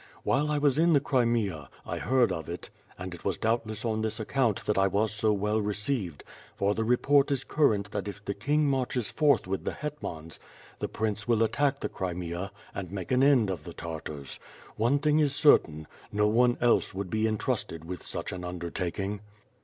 While I was in the Crimea, I heard of it, and it was doubtless on this account that I was so well received; for the report is current that if the King marches forth with the Hetmans, the Prince will attack the Crimea and make an end of the Tartars. One thing is certain, no one else would be intrusted with such an undertaking.